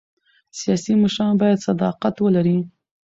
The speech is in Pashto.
سیاسي مشران باید صداقت ولري